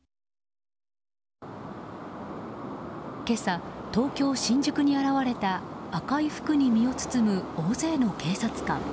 今朝、東京・新宿に現れた赤い服に身を包む大勢の警察官。